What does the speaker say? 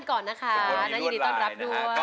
ตอนนี้ยินได้รับด้วย